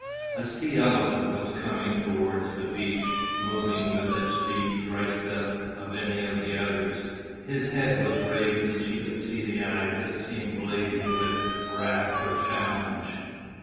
A sea elephant was coming towards the beach, moving with a speed thrice that of any of the others, his head was raised and she could see the eyes that seemed blazing with wrath or challenge.